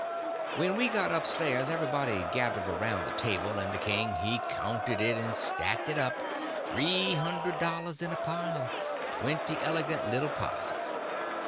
When we got up stairs everybody gethered around the table, and the king he counted it and stacked it up, three hundred dollars in a pile—twenty elegant little piles.